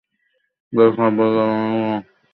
বেশ খাপখোলা একটা তরবারি, তাই না?